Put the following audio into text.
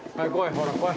ほらこい。